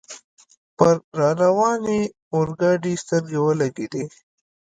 پر را روانې اورګاډي سترګې ولګېدې.